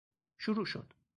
شروع شد